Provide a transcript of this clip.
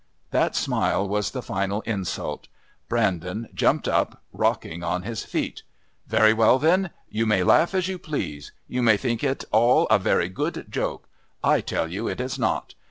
That smile was the final insult. Brandon, jumped up, rocking on his feet. "Very well, then. You may laugh as you please. You may think it all a very good joke. I tell you it is not.